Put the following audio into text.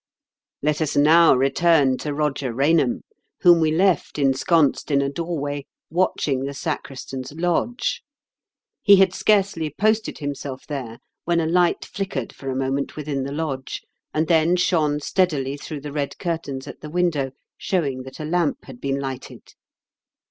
Let us now return to Eoger Rainham, whom we left ensconced in a doorway, watch ing the sacristan's lodge. He had scarcely posted himself there when a light flickered for a moment within the lodge, and then shone steadily through the red curtains at the window, showing that a lamp had been lighted.